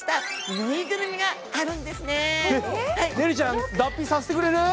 ねるちゃん脱皮させてくれる？